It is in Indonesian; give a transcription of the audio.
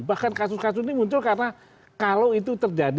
bahkan kasus kasus ini muncul karena kalau itu terjadi